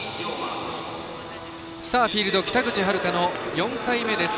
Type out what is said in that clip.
フィールド北口榛花の４回目です。